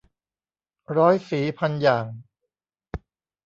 ร้อยสีพันอย่าง